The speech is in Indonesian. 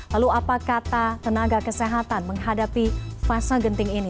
lalu apa kata tenaga kesehatan menghadapi fase genting ini